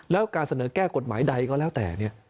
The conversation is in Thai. แล้วการเสนอแก้กฎหมายใดก็แล้วแต่